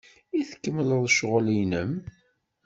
I tkemmleḍ ccɣel-nnem?